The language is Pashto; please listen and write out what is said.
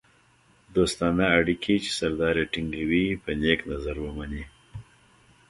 دوستانه اړیکې چې سردار یې ټینګوي په نېک نظر ومني.